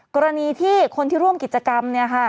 กรณีที่คนที่ร่วมกิจกรรม